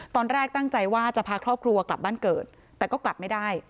ตอนแรกตั้งใจว่าจะพาครอบครัวกลับบ้านเกิดแต่ก็กลับไม่ได้